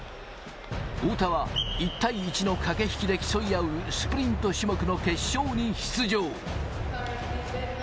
太田は１対１の駆け引きで競い合うスプリント種目の決勝に出場。